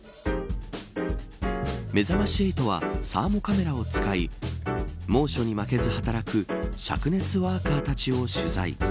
めざまし８はサーモカメラを使い猛暑に負けず働く灼熱ワーカーたちを取材。